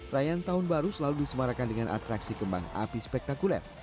rayaan tahun baru selalu disemarakan dengan atraksi kembang api spektakuler